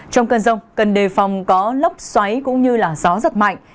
trong cơn rông cần đề phòng có lóc xoáy cũng như là gió giật mạnh